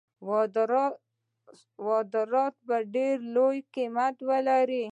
واردات به ډېر لوړ قیمت ولري.